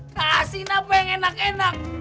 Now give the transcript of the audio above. kasih apa yang enak enak